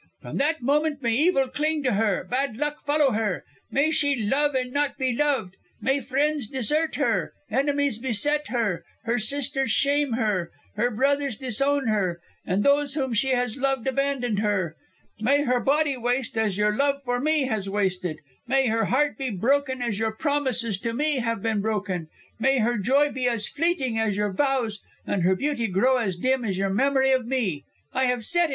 From that moment may evil cling to her, bad luck follow her; may she love and not be loved; may friends desert her, enemies beset her, her sisters shame her, her brothers disown her, and those whom she has loved abandon her. May her body waste as your love for me has wasted; may her heart be broken as your promises to me have been broken; may her joy be as fleeting as your vows, and her beauty grow as dim as your memory of me. I have said it."